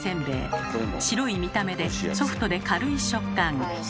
白い見た目でソフトで軽い食感。